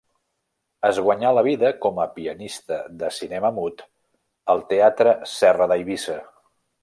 Es guanyà la vida com a pianista de cinema mut al Teatre Serra d'Eivissa.